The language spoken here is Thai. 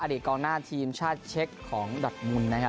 กองหน้าทีมชาติเช็คของดอทมุนนะครับ